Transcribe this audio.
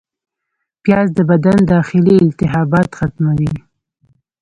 پیاز د بدن داخلي التهابات ختموي